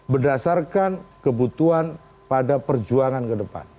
berdasarkan kebutuhan pada perjuangan ke depan